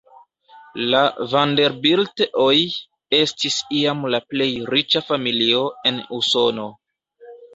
La Vanderbilt-oj estis iam la plej riĉa familio en Usono.